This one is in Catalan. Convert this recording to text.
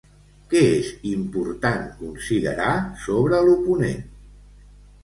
Què és important considerar sobre l'oponent?